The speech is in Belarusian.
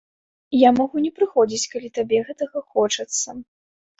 Я магу не прыходзіць, калі табе гэтага хочацца.